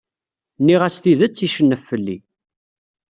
Nniɣ-as tidet, icennef fell-i.